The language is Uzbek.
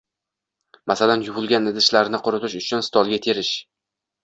masalan, yuvilgan idishlarni quritish uchun stolga terish.